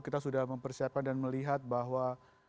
kita sudah mempersiapkan dan melihat bahwa